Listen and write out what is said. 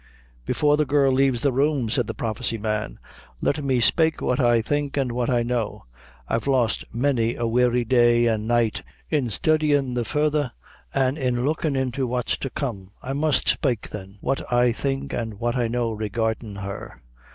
"Before the girl leaves the room," said the prophecy man, "let me spake what I think an' what I know. I've lost many a weary day an' night in studyin' the further, an' in lookin' into what's to come. I must spake, then, what I think an' what I know, regardin' her.